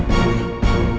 kau harus berhenti